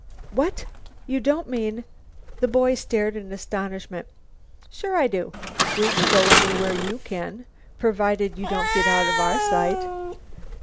"What, you don't mean " The boy stared in astonishment. "Sure I do. We can go anywhere you can, providing you don't get out of our sight."